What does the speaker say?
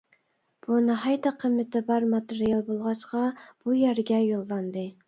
بۇ ناھايىتى قىممىتى بار ماتېرىيال بولغاچقا، بۇ يەرگە يوللاندى.